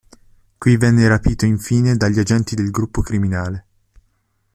Qui venne rapito infine dagli agenti del gruppo criminale.